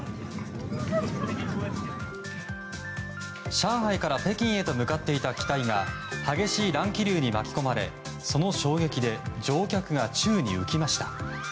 上海から北京へと向かっていた機体が激しい乱気流に巻き込まれその衝撃で乗客が宙に浮きました。